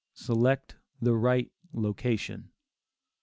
SELECT THE RIGHT LOCATION.